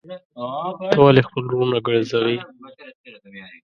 ته ولي خپل وروڼه ګرځوې.